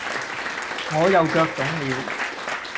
我又腳腫了